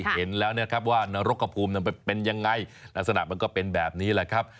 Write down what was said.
เห็นแล้วนะครับว่านรกกระภูมินั้นเป็นยังไงลักษณะมันก็เป็นแบบนี้แหละครับ